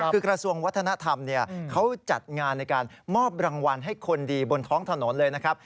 คือกระทรวงวัฒนธรรมเขาจัดงานในการมอบรางวัลให้คนดีบนท้องถนนเลยนะครับ